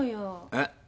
えっ？